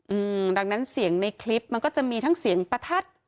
อืมดังนั้นเสียงในคลิปมันก็จะมีทั้งเสียงประทัด